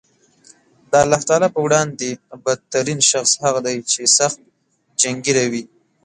د الله تعالی په وړاندې بد ترین شخص هغه دی چې سخت جنګېره وي